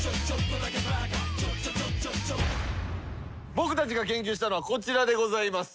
僕たちが研究したのはこちらでございます。